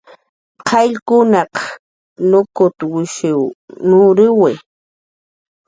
Qayllaq nuk'utwishiw yuriwi